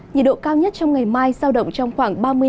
nhiệt độ cao nhất trong ngày mai sao động trong khoảng